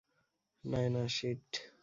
Naina, sheet!